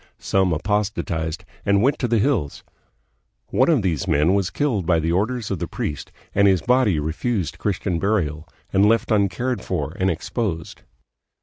Some apostasized, and went to the hills. One of these men was 226 THE PHILIPPINES. killed by the orders of the priest and his body refused Christian burial, and left uncared for and exposed.